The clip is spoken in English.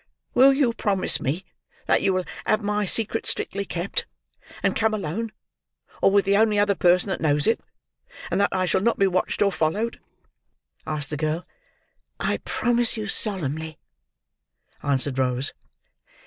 "Will you promise me that you will have my secret strictly kept, and come alone, or with the only other person that knows it; and that I shall not be watched or followed?" asked the girl. "I promise you solemnly," answered Rose.